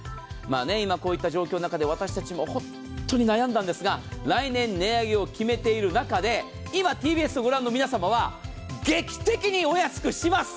今こういった状況の中で私たちも本当に悩んだんですが、来年値上げを決めている中で、今、ＴＢＳをご覧の皆様は劇的にお安くします。